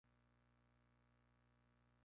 Interpretó a Johnny Dolan en "The Bounty".